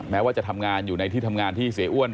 ว่าจะทำงานอยู่ในที่ทำงานที่เสียอ้วน